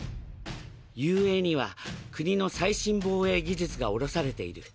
雄英には国の最新防衛技術が卸されている。